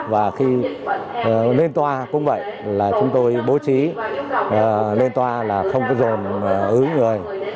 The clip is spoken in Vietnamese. và khi lên toa cũng vậy là chúng tôi bố trí lên toa là không có dồn ứ người